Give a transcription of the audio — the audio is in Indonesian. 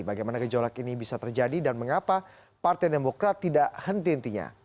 bagaimana gejolak ini bisa terjadi dan mengapa partai demokrat tidak henti hentinya